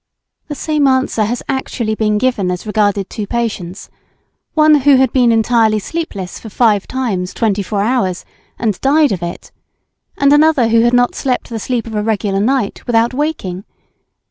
The same answer has, actually been given as regarded two patients one who had been entirely sleepless for five times twenty four hours, and died of it, and another who had not slept the sleep of a regular night, without waking.